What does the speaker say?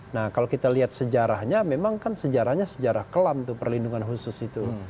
nah kalau kita lihat sejarahnya memang kan sejarahnya sejarah kelam itu perlindungan khusus itu